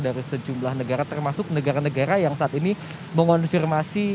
dari sejumlah negara termasuk negara negara yang saat ini mengonfirmasi